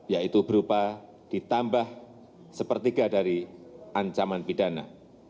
yaitu berupa ditambah sepertiga dari ancaman pidana